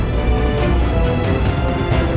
jangan shipment ku bersama